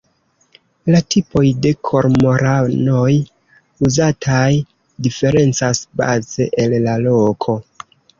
La tipoj de kormoranoj uzataj diferencas baze el la loko.